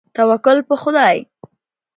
توکل په خدای.